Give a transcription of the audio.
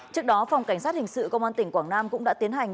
trước đó phòng cảnh sát hình sự công an tỉnh quảng nam cũng đã tiến hành